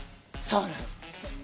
そうなの。